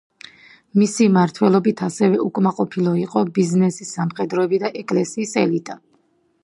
მისი მმართველობით ასევე უკმაყოფილო იყო ბიზნესი, სამხედროები და ეკლესიის ელიტა.